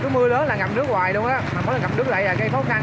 mưa lớn là ngập nước hoài luôn á mà mỗi lần ngập nước lại là cái khó khăn